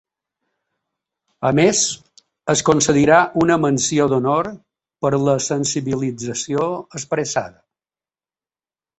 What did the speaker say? A més, es concedirà una menció d’honor per la sensibilització expressada.